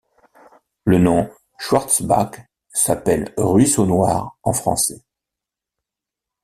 Le nom 'Schwarzbach' s'appelle 'Ruisseau noir' en français.